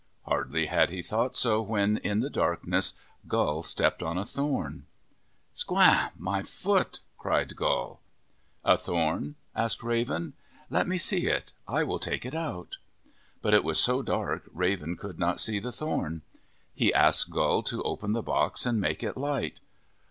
Hardly had he thought so, when, in the darkness, Gull stepped on a thorn. "Sqendn! My foot!" cried Gull. " A thorn ?" asked Raven. " Let me see it. I will take it out." But it was so dark Raven could not see the thorn. He asked Gull to open the box and make it light.